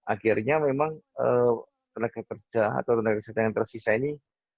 akhirnya memang tenaga kerja atau tenaga kesehatan yang tersisa ini